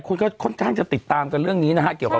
ผมสงสัยนะว่าทำไมน้องนิ่งมากเลยนะ